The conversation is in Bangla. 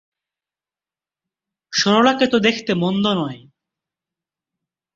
সরলাকে তো দেখতে মন্দ নয়।